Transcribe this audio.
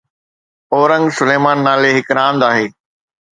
اورنگ سليمان نالي هڪ راند آهي